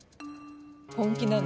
「本気なの？